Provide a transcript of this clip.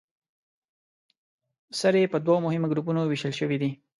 سرې په دوو مهمو ګروپونو ویشل شوې دي.